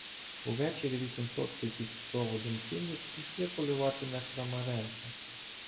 Увечері вісім хлопців під проводом Тіни пішли полювати на Крамаренка.